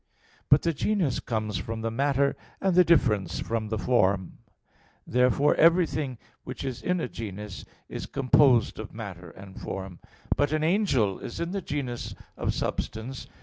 But the genus comes from the matter, and the difference from the form (Metaph. xiii, text 6). Therefore everything which is in a genus is composed of matter and form. But an angel is in the genus of substance.